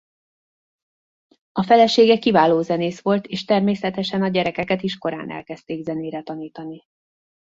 A felesége kiváló zenész volt és természetesen a gyerekeket is korán elkezdték zenére tanítani.